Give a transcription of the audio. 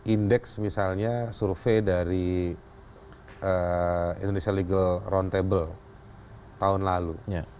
indeks misalnya survei dari indonesia legal roundtable tahun lalu